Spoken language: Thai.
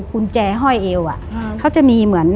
กุญแจห้อยเอวเขาจะมีเหมือน